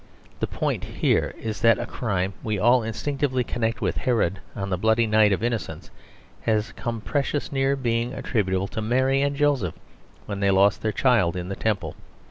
The point here is that a crime we all instinctively connect with Herod on the bloody night of Innocents has come precious near being attributable to Mary and Joseph when they lost their child in the Temple.